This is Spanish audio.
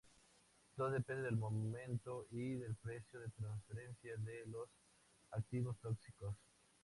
Todo depende del momento y del precio de transferencia de los activos tóxicos.